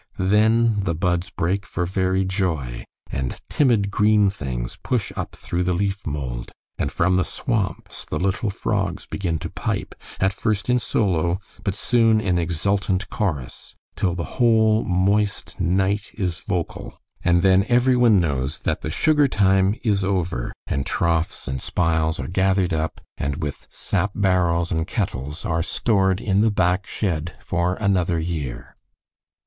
Then the buds break for very joy, and timid green things push up through the leaf mold; and from the swamps the little frogs begin to pipe, at first in solo, but soon in exultant chorus, till the whole moist night is vocal, and then every one knows that the sugar time is over, and troughs and spiles are gathered up, and with sap barrels and kettles, are stored in the back shed for another year.